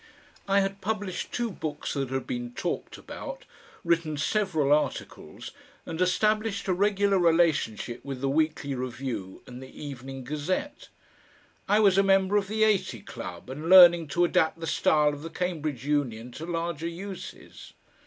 I had published two books that had been talked about, written several articles, and established a regular relationship with the WEEKLY REVIEW and the EVENING GAZETTE. I was a member of the Eighty Club and learning to adapt the style of the Cambridge Union to larger uses.